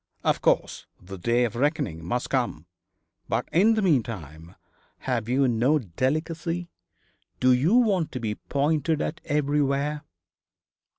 'Of course. The day of reckoning must come. But in the meantime have you no delicacy? Do you want to be pointed at everywhere?'